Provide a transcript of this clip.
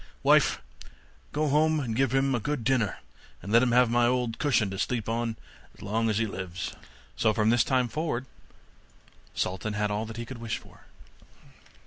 Wife, go home, and give him a good dinner, and let him have my old cushion to sleep on as long as he lives.' So from this time forward Sultan had all that he could wish for.